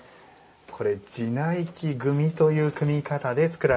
これ地内記組という組み方で作られています。